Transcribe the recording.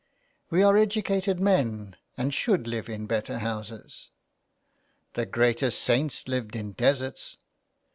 " We are educated men, and should live in better houses." " The greatest saints lived in deserts."